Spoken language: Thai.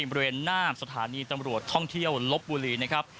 บริเวณหน้าสถานีตำรวจท่องเที่ยวลบบุรีนะครับ